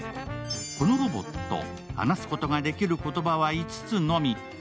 このロボット、話すことができる言葉は５つのみ。